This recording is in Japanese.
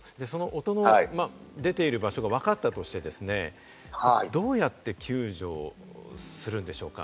音の出ている場所がわかったとして、どうやって救助するんでしょうか？